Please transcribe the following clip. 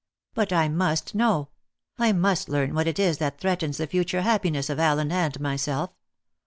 But I must know; I must learn what it is that threatens the future happiness of Allen and myself.